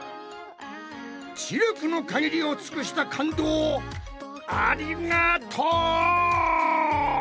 知力のかぎりを尽くした感動をありがとう！